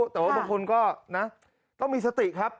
แต่ว่าบางคนก็นะต้องมีสติครับ